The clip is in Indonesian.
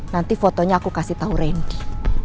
nanti fotonya aku kasih tau randy